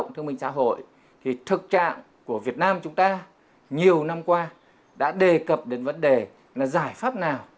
thông minh xã hội thì thực trạng của việt nam chúng ta nhiều năm qua đã đề cập đến vấn đề là giải pháp nào